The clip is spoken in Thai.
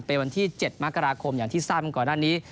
เป็นวันที่๗มกราคมอย่างที่ทราบกันก่อนหน้านี้